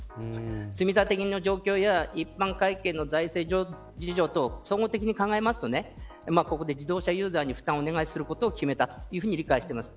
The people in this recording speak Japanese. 積み立て金の状況や一般会計の財政事情と総合的に考えるとここで自動車ユーザーに負担することを決めたと理解しています。